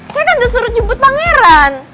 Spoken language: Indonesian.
saya kan udah suruh jemput pangeran